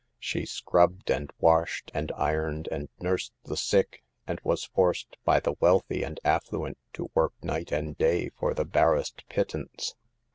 She scrubbed, and washed, and ironed, and nursed the sick, and was forced, by the wealthy and affluent, to work night and day for the barest pittance.